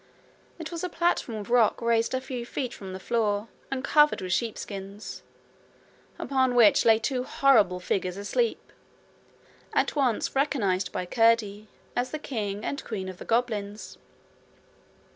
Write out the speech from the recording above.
It was a platform of rock raised a few feet from the floor and covered with sheepskins, upon which lay two horrible figures asleep, at once recognized by Curdie as the king and queen of the goblins.